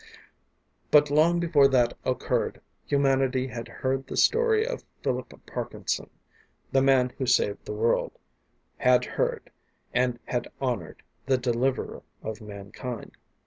But long before that occurred, humanity had heard the story of Phillip Parkinson, the man who saved the world had heard, and had honored the deliverer of mankind.